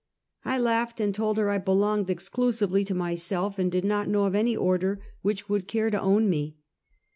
I laughed, and told her I belonged exclusively to myself, and did not know of any order which would care to own me.